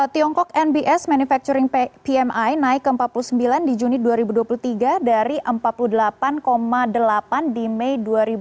tiongkok nbs manufacturing pmi naik ke empat puluh sembilan di juni dua ribu dua puluh tiga dari empat puluh delapan delapan di mei dua ribu dua puluh